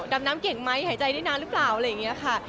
ดำน้ำเก่งไหมหายใจได้นานหรือเปล่าอะไรอย่างนี้ค่ะ